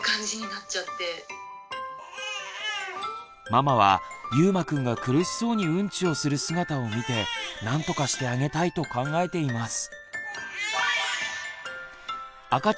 ママはゆうまくんが苦しそうにウンチをする姿を見て何とかしてあげたいと考えています。